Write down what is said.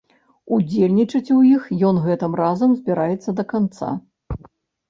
Удзельнічаць у іх ён гэтым разам збіраецца да канца.